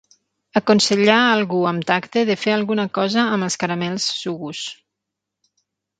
Aconsellà algú amb tacte de fer alguna cosa amb els caramels Sugus.